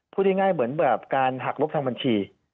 พูดง่ายเหมือนแบบการหักลบทางบัญชี